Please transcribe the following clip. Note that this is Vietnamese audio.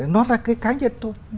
nó là cái cá nhân thôi